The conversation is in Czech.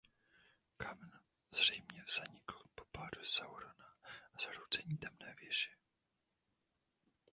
Kámen zřejmě zanikl po pádu Saurona a zhroucení Temné věže.